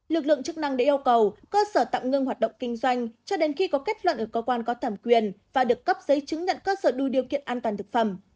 lực lượng chức năng đã yêu cầu cơ sở tạm ngưng hoạt động kinh doanh cho đến khi có kết luận ở cơ quan có thẩm quyền và được cấp giấy chứng nhận cơ sở đủ điều kiện an toàn thực phẩm